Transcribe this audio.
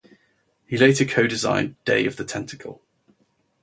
He later co-designed "Day of the Tentacle".